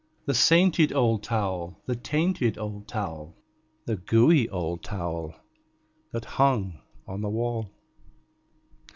The sainted old towel, the tainted old towel, The gooey old towel that hung on the wall.